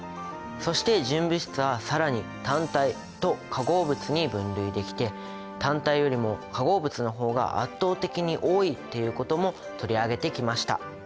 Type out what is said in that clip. そして純物質は更に単体と化合物に分類できて単体よりも化合物の方が圧倒的に多いっていうことも取り上げてきました。